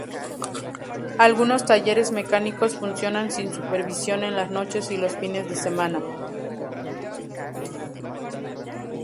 Algunos talleres mecánicos funcionan sin supervisión en las noches y los fines de semana..